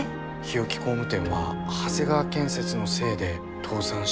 日置工務店は長谷川建設のせいで倒産したのかも。